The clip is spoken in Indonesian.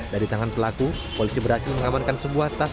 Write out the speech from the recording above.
dari tangan pelaku polisi berhasil mengamankan sebuah tas